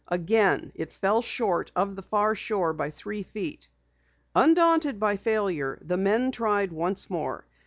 Again it fell short of the far shore by three feet. Undaunted by failure, the men tried once more.